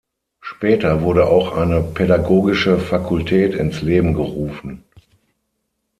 Später wurde auch eine pädagogische Fakultät ins Leben gerufen.